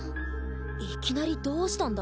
いきなりどうしたんだ？